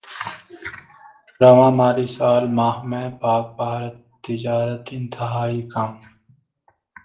رواں مالی سال ماہ میں پاکبھارت تجارت انتہائی کم